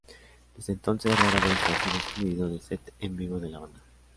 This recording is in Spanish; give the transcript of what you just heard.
Desde entonces, rara vez ha sido excluido de set en vivo de la banda.